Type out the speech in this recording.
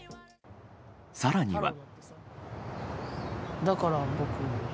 更には。